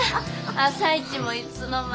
朝市もいつの間に。